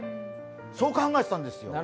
そう考えてたわけですよ。